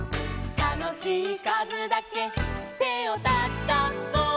「たのしいかずだけてをたたこ」